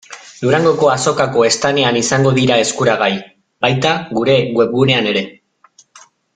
Durangoko Azokako standean izango dira eskuragai, baita gure webgunean ere.